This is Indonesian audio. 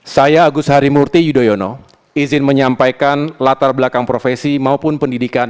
saya agus harimurti yudhoyono izin menyampaikan latar belakang profesi maupun pendidikan